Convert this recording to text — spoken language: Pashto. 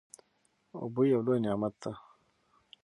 اوبه یو لوی نعمت دی.